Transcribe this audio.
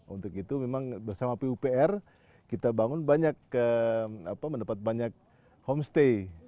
untuk itu memang bersama pupr kita bangun banyak mendapat banyak homestay